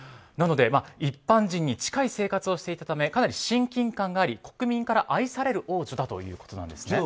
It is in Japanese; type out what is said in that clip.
なので一般人に近い生活をしていたためかなり親近感があり国民から愛される王女だということです。